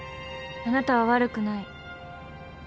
あなたは悪くない。